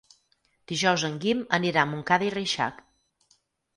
Dijous en Guim anirà a Montcada i Reixac.